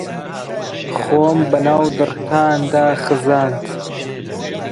خۆم بە ناو دڕکاندا خزاند